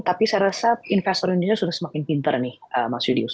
tapi saya rasa investor indonesia sudah semakin pinter nih mas yudius